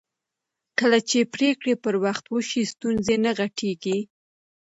کله چې پرېکړې پر وخت وشي ستونزې نه غټېږي